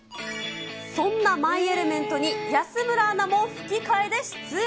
そんなマイ・エレメントに安村アナも吹き替えで出演。